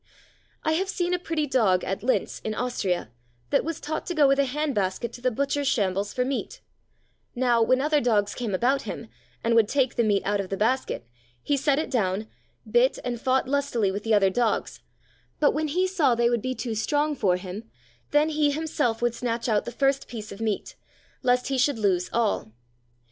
I have seen a pretty dog, at Lintz, in Austria that was taught to go with a hand basket to the butcher's shambles for meat; now, when other dogs came about him, and would take the meat out of the basket, he set it down, bit and fought lustily with the other dogs; but when he saw they would be too strong for him, then he himself would snatch out the first piece of meat, lest he should lose all.